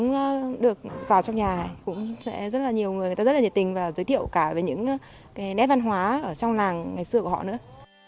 tôi được vào trong nhà cũng sẽ rất là nhiều người người ta rất là nhiệt tình và giới thiệu cả về những cái nét văn hóa ở trong làng ngày xưa của họ nữa